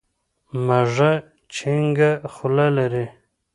مږه چينګه خوله لري.